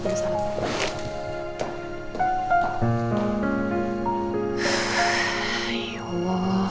keadaan andin gimana ya sekarang